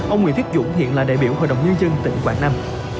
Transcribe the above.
ông nguyễn viết dũng hiện là đại biểu hội đồng nhân dân tỉnh quảng nam